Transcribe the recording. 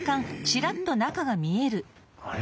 あれ？